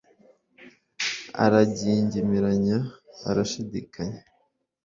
aragingimiranya arashidikanya